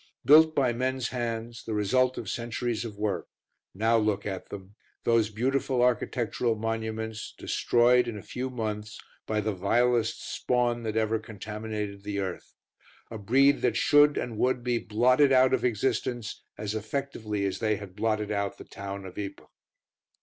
Built by men's hands, the result of centuries of work. Now look at them; those beautiful architectural monuments, destroyed, in a few months, by the vilest spawn that ever contaminated the earth. A breed that should and would be blotted out of existence as effectively as they had blotted out the town of Ypres.